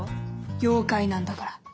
妖怪なんだから。